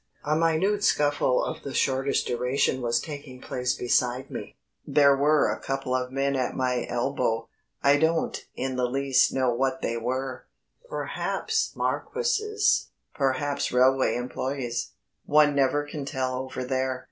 A minute scuffle of the shortest duration was taking place beside me. There were a couple of men at my elbow. I don't in the least know what they were perhaps marquises, perhaps railway employees one never can tell over there.